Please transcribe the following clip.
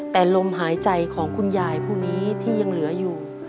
แต่ลมหายใจของคุณยายผู้นี้ที่ยังเหลืออยู่